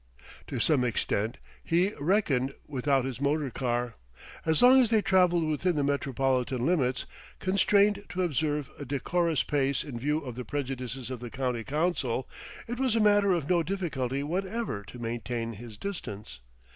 To some extent he reckoned without his motor car. As long as they traveled within the metropolitan limits, constrained to observe a decorous pace in view of the prejudices of the County Council, it was a matter of no difficulty whatever to maintain his distance.